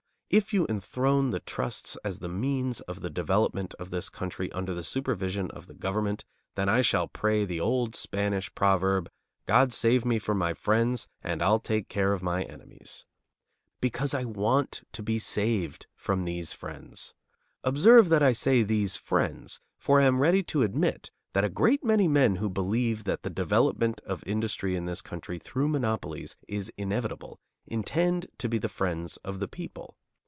If you enthrone the trusts as the means of the development of this country under the supervision of the government, then I shall pray the old Spanish proverb, "God save me from my friends, and I'll take care of my enemies." Because I want to be saved from these friends. Observe that I say these friends, for I am ready to admit that a great many men who believe that the development of industry in this country through monopolies is inevitable intend to be the friends of the people.